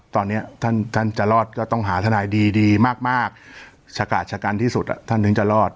ตอนนี้ท่านจะรอดก็ต้องหาทนายดีดีมากชะกาดชะกันที่สุดท่านถึงจะรอด